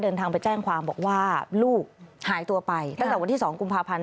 เดินทางไปแจ้งความบอกว่าลูกหายตัวไปตั้งแต่วันที่๒กุมภาพันธ์